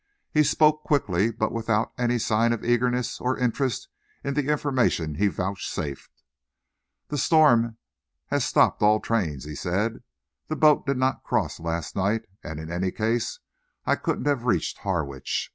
He spoke quickly but without any sign of eagerness or interest in the information he vouchsafed. "The storm has stopped all the trains," he said. "The boat did not cross last night, and in any case I couldn't have reached Harwich.